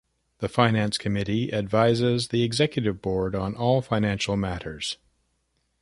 The Finance Committee advises the Executive Board on all financial matters.